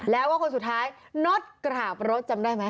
แล้วก็คนสุดท้ายน็อตกราบรถจำได้ไหม